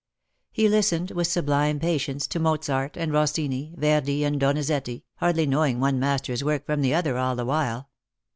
He listened with sublime patience to Mozart and Rossini, Verdi and Donizetti, hardly knowing one master's work from the other all the while.